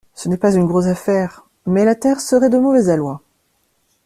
Ce n’est pas une grosse affaire, mais la taire serait de mauvais aloi.